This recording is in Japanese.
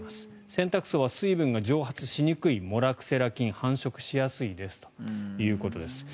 洗濯槽は水分が蒸発しにくいモラクセラ菌繁殖しやすいですということです。